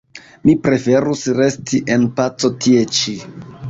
Mi preferus resti en paco tie ĉi.